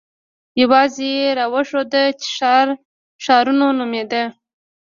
يو ځاى يې راوښود چې ښارنو نومېده.